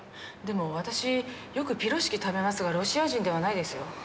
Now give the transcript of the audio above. でも私よくピロシキ食べますがロシア人ではないですよ。